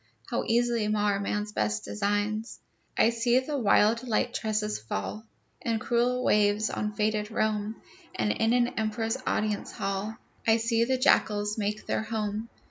How easily mar man's best designs! I see the wild Light Tresses fall In cruel waves on fated Rome, And in an emperor's audience hall I see the jackals make their home.